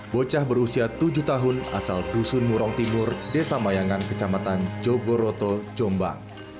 bocah berusia tujuh tahun asal dusun murong timur desa mayangan kecamatan jogoroto jombang